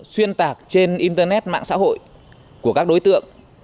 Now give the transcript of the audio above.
xuyên tạc trên internet mạng xã hội của các đối tượng